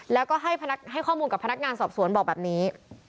แล้วก็ให้ข้อมูลกับพนักงานสอบสวนบอกแบบนี้